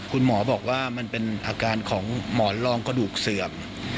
คุณหมอบอกว่ามันเป็นอาการของหมอนรองกระดูกเสื่อม